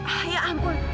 ah ya ampun